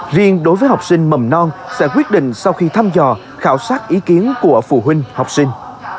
riêng đối với học sinh mầm non sẽ quyết định sau khi thăm dò khảo sát ý kiến của phụ huynh học sinh